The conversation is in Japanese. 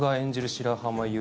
白浜優